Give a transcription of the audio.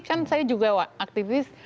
kan saya juga aktivis